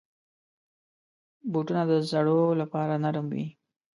بوټونه د زړو لپاره نرم وي.